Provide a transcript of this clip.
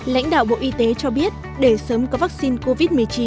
lãnh đạo bộ y tế cho biết để sớm có vaccine covid một mươi chín